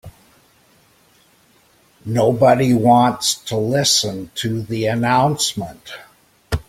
Nobody wants to listen to the announcement.